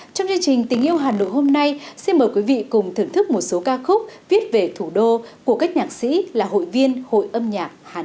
trong chương trình tình yêu hà nội hôm nay xin mời quý vị cùng thưởng thức một số ca khúc viết về thủ đô của các nhạc sĩ là hội viên hội âm nhạc hà nội